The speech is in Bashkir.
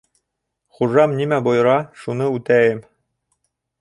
Хужам нимә бойора, шуны үтәйем.